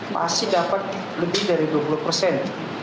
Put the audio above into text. masih dapat lebih dari dua puluh persen